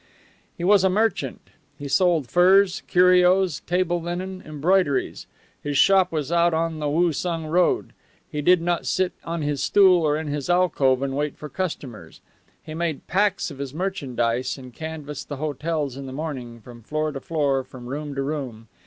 He was a merchant. He sold furs, curios, table linen, embroideries. His shop was out on the Woosung Road. He did not sit on his stool or in his alcove and wait for customers. He made packs of his merchandise and canvassed the hotels in the morning, from floor to floor, from room to room.